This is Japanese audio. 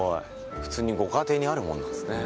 普通にご家庭にあるものなんですね。